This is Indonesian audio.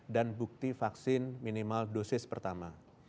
dan bukti vaksin minimal dosis pertama